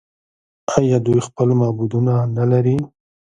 آیا دوی خپل معبدونه نلري؟